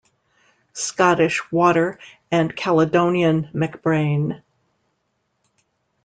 Scottish Water and Caledonian MacBrayne.